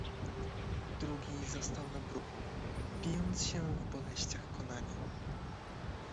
"Drugi został na bruku, wijąc się w boleściach konania."